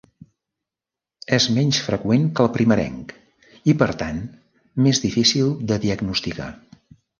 És menys freqüent que el primerenc i per tant més difícil de diagnosticar.